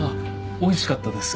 おいしかったです。